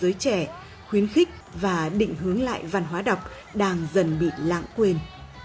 giới trẻ khuyến khích và định hướng lại văn hóa đọc đang dần bị lãng quên